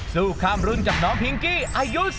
สู้ข้ามรุ่นกับน้องพิงกี้อายุ